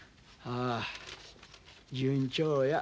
ああ順調や。